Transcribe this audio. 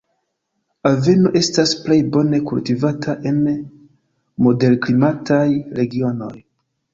Aveno estas plej bone kultivata en moderklimataj regionoj.